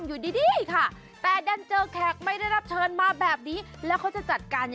ครูกัดสบัดคราวครูกัดสบัดคราวครูกัดสบัดค่าว